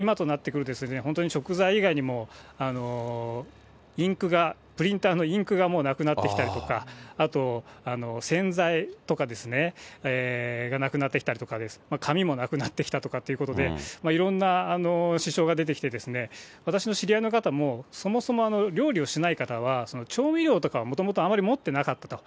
４日間のつもりで封鎖の準備はしましたので、食料などは買い込んで始まったんですけれども、今となってくると、本当に食材以外にも、インクが、プリンターのインクがもうなくなってきたりとか、あと洗剤とかがなくなってきたりとか、紙もなくなってきたとかということで、いろんな支障が出てきて、私の知り合いの方も、そもそも料理をしない方は、調味料とかは、もともとあまり持ってなかったと。